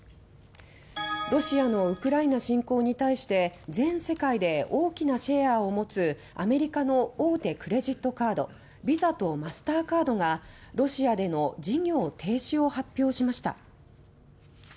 ロシアのウクライナ侵攻に対して全世界で大きなシェアを持つアメリカの大手クレジットカードＶＩＳＡとマスターカードがロシアでの事業停止を発表しました。